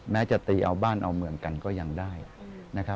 จะตีเอาบ้านเอาเมืองกันก็ยังได้นะครับ